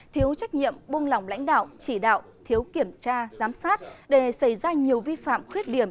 thiếu trách nhiệm buông lỏng lãnh đạo chỉ đạo thiếu kiểm tra giám sát để xảy ra nhiều vi phạm khuyết điểm